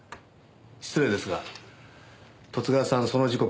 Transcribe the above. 失礼ですが十津川さんその時刻どちらに？